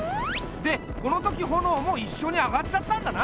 でこの時炎も一緒に上がっちゃったんだな。